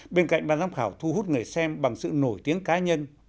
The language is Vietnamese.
bên cạnh ban giám khảo thu hút người xem bằng sự nổi tiếng cá nhân